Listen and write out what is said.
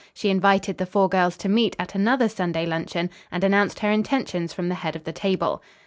She invited the four girls to meet at another Sunday luncheon, and announced her intentions from the head of the table.